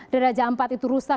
darajah empat itu rusak